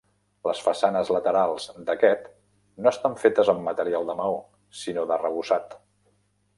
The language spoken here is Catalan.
Les façanes laterals d'aquest, no estan fetes amb material de maó, sinó d'arrebossat.